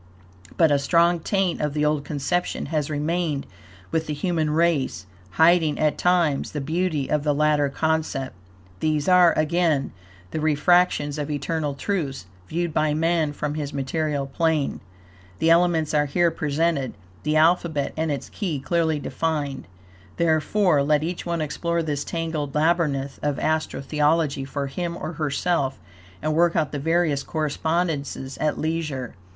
But a strong taint of the old conception has remained with the human race, hiding, at times, the beauty of the latter concept. These are, again, the refractions of eternal truths, viewed by man from his material plane. The elements are here presented, the alphabet and its key clearly defined. Therefore, let each one explore this tangled labyrinth of Astro Theology for him or herself, and work out the various correspondencies at leisure.